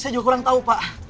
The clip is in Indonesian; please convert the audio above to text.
saya juga kurang tahu pak